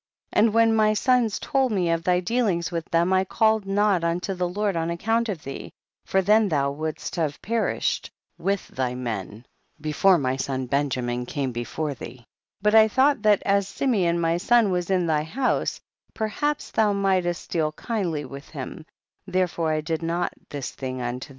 And when my sons told me of thy dealings with them, I called not unto the Lord on account of thee, for then thou wouldst have perished with thy men before my son Benja min came before thee, but I thought that as Simeon my son was in thy house, perhaps thou mightest deal kindly with him, therefore I did not this thing unto thee.